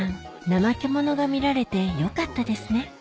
ナマケモノが見られてよかったですね